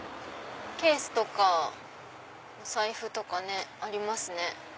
ケースとかお財布とかありますね。